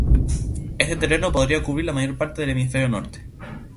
Este terreno podría cubrir la mayor parte del hemisferio Norte.